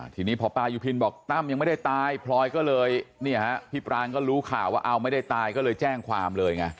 ทีนี้พ่อป้ายุพินทร์บอกว่าตั้มยังไม่ได้ตายพี่ปรานก็เลยรู้ข่าวว่าไม่ได้ตายก็เลยแจ้งความเลยไง